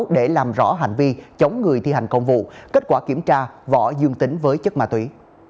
để làm rõ hành vi chống người thi hành công vụ kết quả kiểm tra võ dương tính với chất ma túy